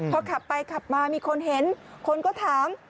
พอขับไปขับมามีคนเห็นคนก็ถาม